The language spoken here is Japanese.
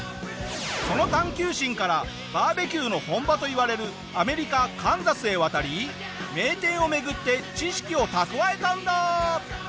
その探究心からバーベキューの本場といわれるアメリカカンザスへ渡り名店を巡って知識を蓄えたんだ！